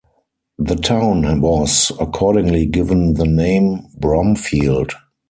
The town was accordingly given the name "Bromfield".